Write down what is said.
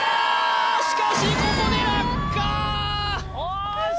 しかしここで落下！